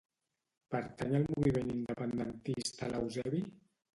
Pertany al moviment independentista l'Eusebi?